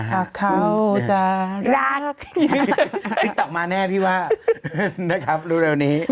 ถ้าเขาจะรักนี่ต่อมาแน่พี่ว่านะครับรู้เร็วนี้